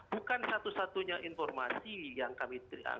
bukan satu satunya informasi yang kami terima